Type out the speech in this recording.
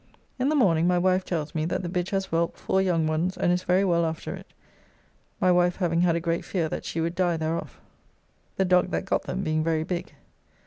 In the morning my wife tells me that the bitch has whelped four young ones and is very well after it, my wife having had a great fear that she would die thereof, the dog that got them being very big.